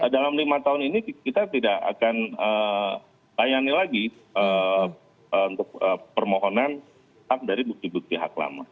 dalam lima tahun ini kita tidak akan layani lagi untuk permohonan dari bukti bukti hak lama